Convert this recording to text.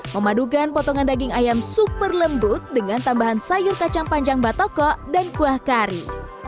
memadukan potongan daging ayam super lembut dengan tambahan sayur kacang panjang batoko dan kuah kari